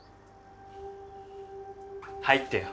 入ってよ。